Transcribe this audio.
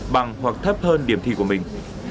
bằng hoặc thấp hơn điểm thi của mình